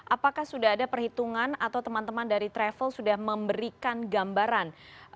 apakah sudah ada perhitungan atau teman teman dari travel sudah memberikan gambaran